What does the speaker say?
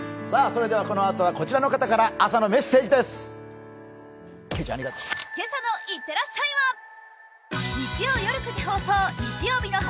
このあとはこちらの方から朝のメッセージです。